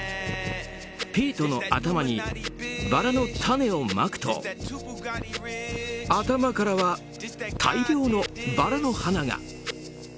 ピートの頭にバラの種をまくと頭からは大量のバラの花が。